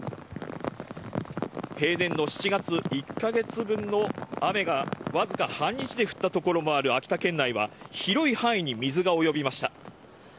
平年の７月１か月分の雨が僅か半日で降った所もある秋田県内は、広い範囲に水が及びました。